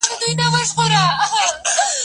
زه پرون کتابتون ته ځم وم!.